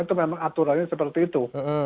itu memang aturannya seperti itu